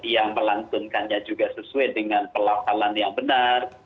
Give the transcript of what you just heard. yang melantunkannya juga sesuai dengan pelafalan yang benar